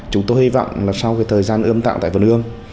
chúng tôi hy vọng là sau cái thời gian ươm tạo tại vân hương